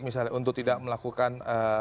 misalnya untuk tidak melakukan